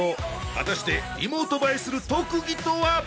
果たしてリモート映えする特技とは？